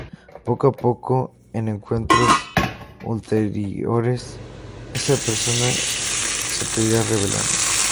Poco a poco, en encuentros ulteriores, esa persona se te irá revelando.